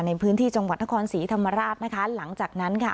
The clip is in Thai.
ในพื้นที่จังหวัดนครศรีธรรมราชนะคะหลังจากนั้นค่ะ